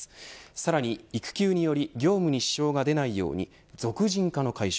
さらに育休により業務に支障が出ないように属人化の解消。